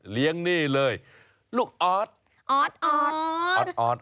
เลี้ยงนี่เลยลูกออด